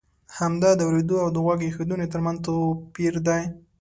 همدا د اورېدو او د غوږ اېښودنې ترمنځ توپی ر دی.